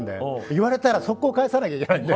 言われたら即行、返さなきゃいけないので。